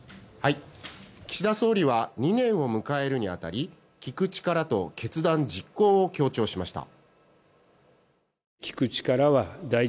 岸田総理は２年を迎えるに当たり聞く力と決断実行を強調しました。